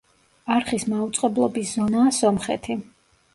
არხის მაუწყებლობის ზონაა სომხეთი.